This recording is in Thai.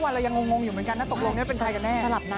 ช่วยเจน